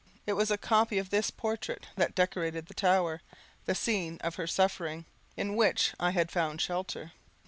It was a copy of this portrait that decorated the tower, the scene of her suffering, in which I had found shelter.